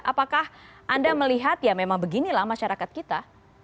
apakah anda melihat ya memang beginilah masyarakat kita